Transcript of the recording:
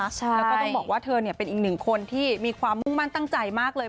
แล้วก็ต้องบอกว่าเธอเป็นอีกหนึ่งคนที่มีความมุ่งมั่นตั้งใจมากเลย